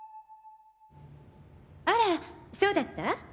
あらそうだった？